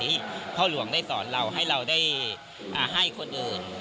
ที่พ่อหลวงได้สอนเราให้เราได้ให้คนอื่น